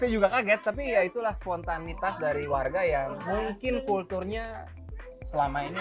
saya juga kaget tapi ya itulah spontanitas dari warga yang mungkin kulturnya selama ini